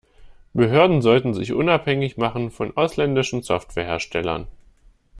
Behörden sollten sich unabhängig machen von ausländischen Software-Herstellern.